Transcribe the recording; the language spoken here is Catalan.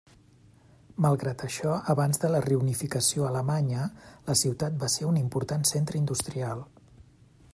Malgrat això, abans de la reunificació alemanya la ciutat va ser un important centre industrial.